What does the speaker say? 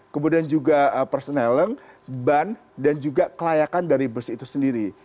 kemudian juga personal ban dan juga kelayakan dari bus itu sendiri